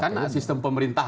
karena sistem pemerintah itu